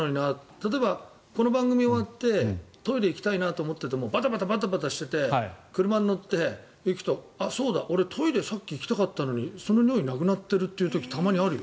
例えば、この番組が終わってトイレに行きたいなと思っていてもバタバタしていて車に乗って行くとあ、そうだ、俺、トイレさっき行きたかったのにその尿意なくなってるという時たまにあるよ。